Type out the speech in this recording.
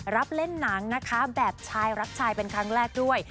รับเล่นหนังนะคะแบบชายรักชายเป็นครั้งแรกด้วย